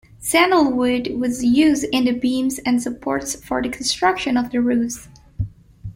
Sandalwood was used in the beams and supports for the construction of the roofs.